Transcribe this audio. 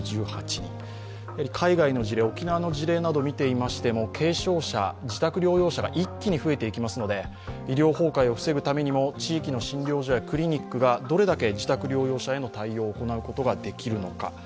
海外の事例、沖縄の事例などを見てみましても、軽症者、自宅療養者が一気に増えていきますので、医療崩壊を防ぐためにも地域の診療所やクリニックだどれだけ自宅療養者の対応を行うことができるのか。